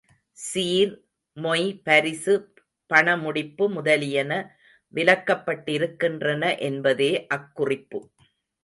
சீர், மொய் பரிசு பணமுடிப்பு முதலியன விலக்கப்பட்டிருக்கின்றன என்பதே அக் குறிப்பு.